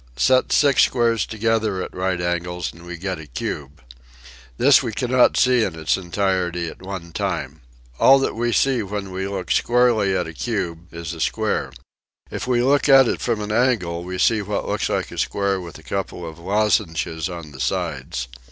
Set six squares together at right angles and we get a cube. This we cannot see in its entirety at one time. All that we see when we look squarely at a cube is a square. If we look at it from an angle we see what looks like a square with a couple of lozenges on the sides.